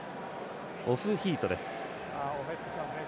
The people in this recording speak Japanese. オフフィートです。